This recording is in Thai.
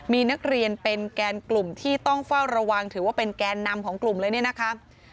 มีนักเรียนเป็นแกนกลุ่มที่ต้องเฝ้าระวังถือว่าเป็นแกนนำของกลุ่มเลยเนี่ยนะคะ